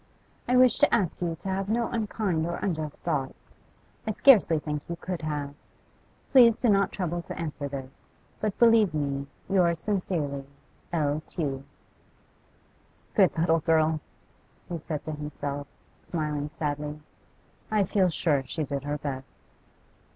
I wish to ask you to have no unkind or unjust thoughts; I scarcely think you could have. Please do not trouble to answer this, but believe me, yours sincerely, 'L. TEW.' 'Good little girl!' he said to himself, smiling sadly. 'I feel sure she did her best.